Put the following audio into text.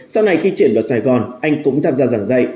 sau này khi chuyển vào sài gòn anh cũng tham gia giảng dạy